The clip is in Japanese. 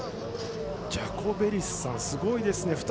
ジャコベリスさんすごいですね。